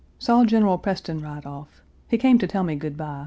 Saw General Preston ride off. He came to tell me good by.